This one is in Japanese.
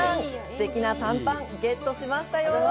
すてきな短パンゲットしましたよ